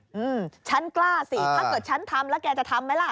อืมฉันกล้าสิถ้าเกิดฉันทำแล้วแกจะทำไหมล่ะ